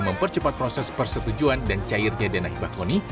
mempercepat proses persetujuan dan cairnya denahibah kony